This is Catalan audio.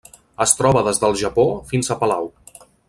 Es troba des del Japó fins a Palau.